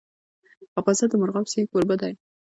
افغانستان د مورغاب سیند کوربه دی.